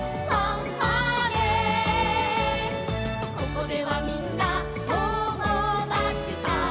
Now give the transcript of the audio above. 「ここではみんな友だちさ」